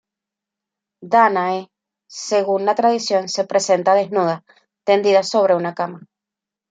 Dánae, según la tradición, se presenta desnuda, tendida sobre una cama.